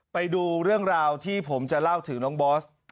ไปดูเรื่องราวที่ผมจะเล่าถึงน้องบอส